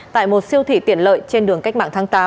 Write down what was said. tại một siêu thị tiện lợi trên đường cách mạng tháng tám